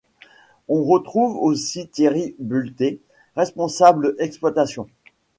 On retrouve aussi Thierry Bulthé, responsable exploitation.